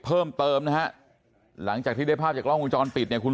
เพิ่มเติมนะฮะหลังจากที่ได้ภาพจากกล้องวงจรปิดเนี่ยคุณ